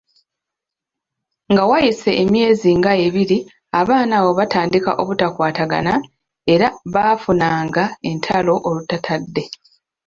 Nga wayise emyezi nga ebiri, abaana abo baatandika obutakwatana era baafunanga entalo olutatadde.